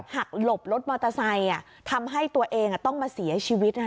หลบรถมอเตอร์ไซค์ทำให้ตัวเองต้องมาเสียชีวิต